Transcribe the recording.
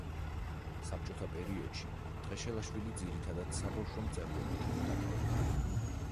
საბჭოთა პერიოდში ტყეშელაშვილი ძირითადად საბავშვო მწერლობით იყო დაკავებული.